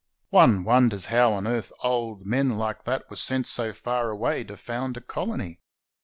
One wonders how on earth old men like that were sent so far away to found a colony.